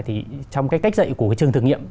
thì trong cái cách dạy của cái trường thử nghiệm